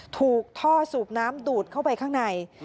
ถูกท่อสูบน้ำดูดเข้าไปข้างใน